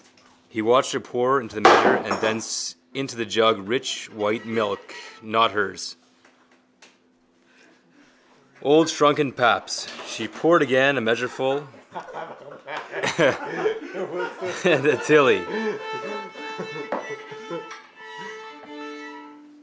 He watched her pour into the measure and thence into the jug rich white milk, not hers. Old shrunken paps. She poured again a measureful and a tilly.